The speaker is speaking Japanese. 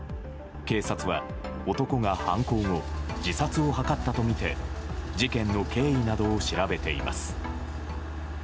警察は男が犯行後自殺を図ったとみて事件の経緯などを調べています。